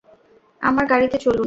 আমার গাড়িতে চলুন।